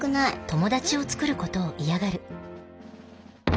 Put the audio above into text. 友達を作ることを嫌がる